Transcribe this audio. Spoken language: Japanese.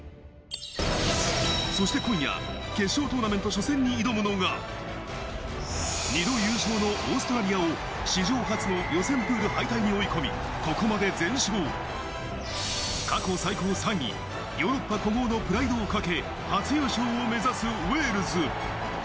そして今夜、決勝トーナメント初戦に挑むのが、２度優勝のオーストラリアを史上初の予選プール敗退に追い込み、ここまで全勝、過去最高３位、ヨーロッパ古豪のプライドをかけ、初優勝を目指すウェールズ。